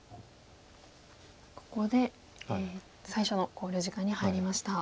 ここで最初の考慮時間に入りました。